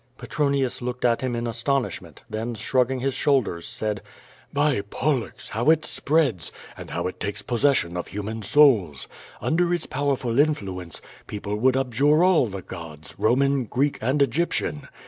Petronius looked at him in astonishment, then, shrugging his shoulders, said: "By Pollux! how it spreads, and how it takes possession of human souls. Under its powerful influence, people would abjure all the gods, Roman, Greek, and Egyptian.